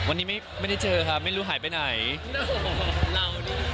วันนี้ไม่ไม่ได้เจอครับไม่รู้หายไปไหน